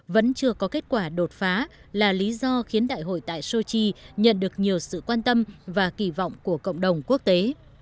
vẫn chưa có kết quả đột phá là lý do khiến đại hội tại sochi nhận được nhiều sự quan tâm và kỳ vọng của cộng đồng quốc tế